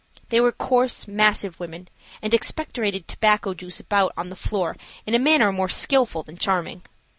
They were coarse, massive women, and expectorated tobacco juice about on the floor in a manner more skillful than charming.